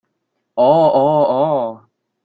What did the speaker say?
喔喔喔